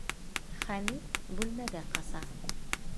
Хәмит бүлмәгә ҡаса.